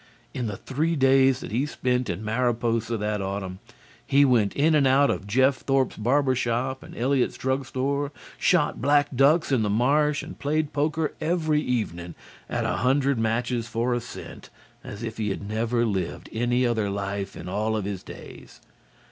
In the three days that he spent in Mariposa that autumn, he went in and out of Jeff Thorpe's barber shop and Eliot's drug store, shot black ducks in the marsh and played poker every evening at a hundred matches for a cent as if he had never lived any other life in all his days.